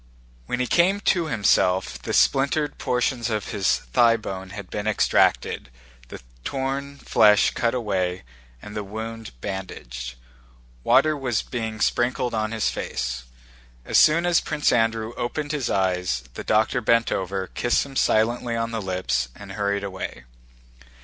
When he came to himself the splintered portions of his thighbone had been extracted, the torn flesh cut away, and the wound bandaged. Water was being sprinkled on his face. As soon as Prince Andrew opened his eyes, the doctor bent over, kissed him silently on the lips, and hurried away.